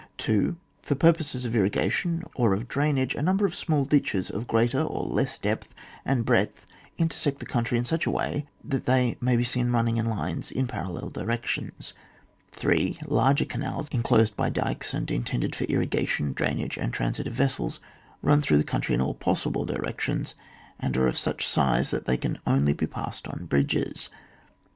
2. For purposes of irrigation or of drainage, a number of small ditches of greater or less depth and breadth inter sect the country in such a way that they may be seen running in lines in parallel directions. 3. Larger canals, inclosed by dykes and intended for irrigation, drainage, and transit of vessels, run through the coun try in all possible directions and are of such a size that they can only be passed on bridges.